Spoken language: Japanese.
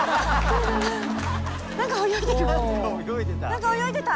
何か泳いでる。